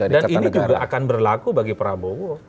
dan ini juga akan berlaku bagi prabowo